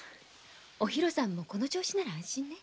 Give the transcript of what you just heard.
おひろさんもこの調子なら安心ね。